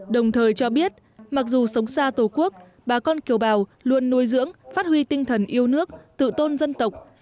đồng thời cho biết mặc dù sống xa tổ quốc bà con kiều bào luôn nuôi dưỡng phát huy tinh thần yêu nước tự tôn dân tộc